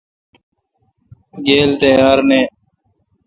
گیل تیار نان۔